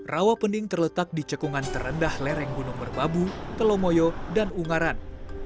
rawapening terletak di cekungan terendah lereng gunung merbabu telomoyo dan ungaran